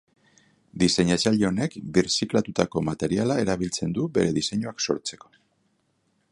Diseinatzaile honek birziklatutako materiala erabiltzen du bere diseinuak sortzeko.